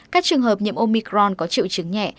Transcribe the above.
các trường hợp nhiễm omicron có triệu chứng nhẹ